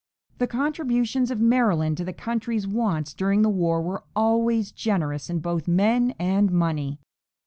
The contributions of Maryland to the country's wants during the war were always generous in both men and money.